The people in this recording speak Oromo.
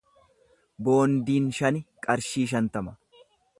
Boondiin shani qarshii shantama